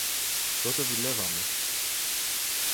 Τότε δουλεύαμε.